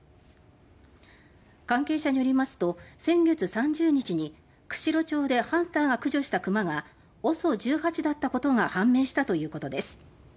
関係者によりますと先月３０日に釧路町でハンターが駆除したクマが「ＯＳＯ１８」だったことが判明したということです。